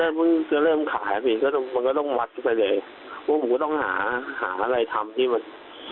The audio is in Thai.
แม่ก็เริ่มขายมันก็ต้องมัดไปเลยว่าผมก็ต้องหาอะไรทำที่มัน